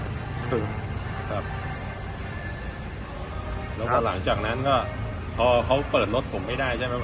แล้วก็หลังจากนั้นก็พอเขาเปิดรถผมไม่ได้ใช่ไหม